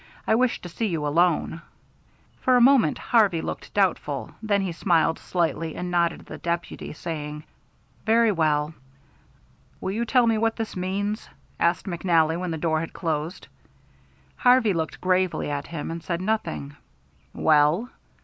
"I wish to see you alone." For a moment Harvey looked doubtful, then he smiled slightly, and nodded at the deputy, saying, "Very well." "Will you tell me what this means?" asked McNally, when the door had closed. Harvey looked gravely at him and said nothing. "Well?"